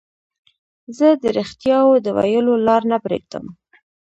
زه د رښتیاوو د ویلو لار نه پريږدم.